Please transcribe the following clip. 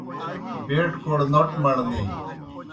بیٹوکوڑ نوْٹ مڑنی